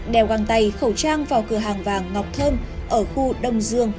đeo găng tay khẩu trang vào cửa hàng vàng ngọc thơm ở khu đông dương